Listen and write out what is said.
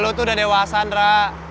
lo tuh udah dewasan ra